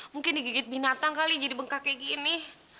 mungkin digigit binatang kali jadi bengkak kayak gini